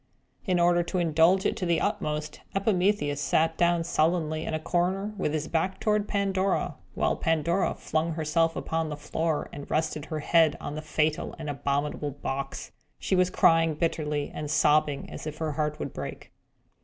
In order to indulge it to the utmost, Epimetheus sat down sullenly in a corner with his back toward Pandora; while Pandora flung herself upon the floor and rested her head on the fatal and abominable box. She was crying bitterly, and sobbing as if her heart would break.